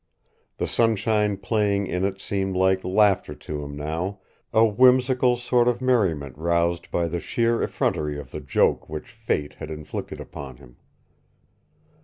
The sunshine playing in it seemed like laughter to him now, a whimsical sort of merriment roused by the sheer effrontery of the joke which fate had inflicted upon him.